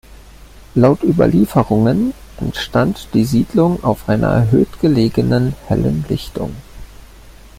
Laut Überlieferungen entstand die Siedlung auf einer erhöht gelegenen, hellen Lichtung.